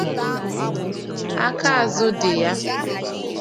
aka azụ dị ya.